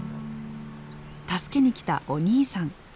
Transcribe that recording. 助けにきたお兄さん。